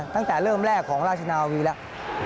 ตั้งแต่เริ่มแรกของราชนาวีแล้ว